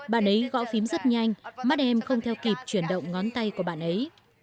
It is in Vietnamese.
bạn ấy gõ phím rất nhanh mắt em không theo kịp chuyển động ngón tay của bạn ấy